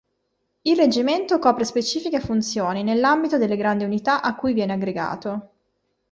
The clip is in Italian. Il reggimento copre specifiche funzioni nell'ambito delle grandi unità a cui viene aggregato.